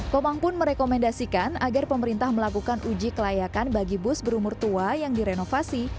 komang pun merekomendasikan agar pemerintah melakukan uji kelayakan bagi bus berumur tua yang direnovasi